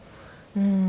うん。